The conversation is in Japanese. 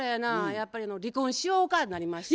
やっぱり離婚しようかなりまして。